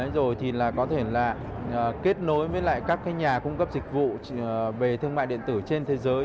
rồi thì là có thể là kết nối với lại các cái nhà cung cấp dịch vụ về thương mại điện tử trên thế giới